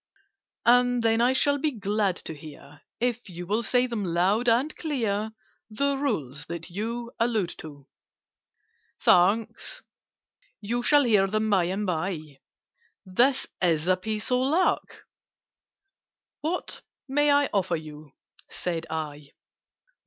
And then I shall be glad to hear— If you will say them loud and clear— The Rules that you allude to." "Thanks! You shall hear them by and by. This is a piece of luck!" "What may I offer you?" said I.